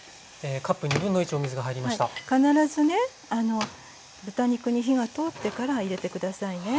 必ずね豚肉に火が通ってから入れて下さいね。